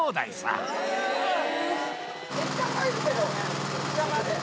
めっちゃ入るけど膝まで。